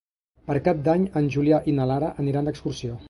Per Cap d'Any en Julià i na Lara aniran d'excursió.